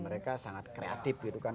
mereka sangat kreatif gitu kan